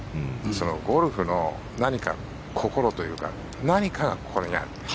ゴルフの何か、心というか何かがここにある。